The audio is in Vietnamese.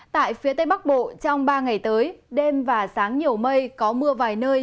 tại phía tây bắc bộ trong ba ngày tới đêm và sáng nhiều mây có mưa vài nơi